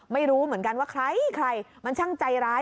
ไม่รู้เหมือนกันว่าใครใครมันช่างใจร้าย